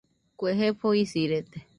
Kue jefo isirede